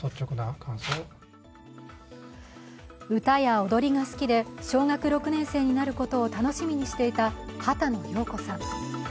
歌や踊りが好きで小学６年生になることを楽しみにしていた波多野耀子さん。